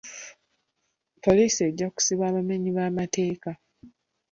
Poliisi ejja kusiba abamenyi b'amateeka .